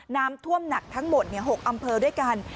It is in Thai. น้ำท่วมหนักทั้งหมด๖อำเภอด้วยกัน